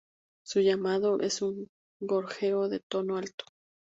Su llamado es un gorjeo de tono alto.